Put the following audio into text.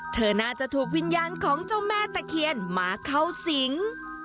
เธอน่าจะถูกวิญญาณของเจ้าแม่ตะเคียนมาเข้าสิง